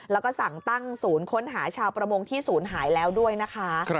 แล้วก็สั่งตั้งศูนย์ค้นหาชาวประมงที่ศูนย์หายแล้วด้วยนะคะ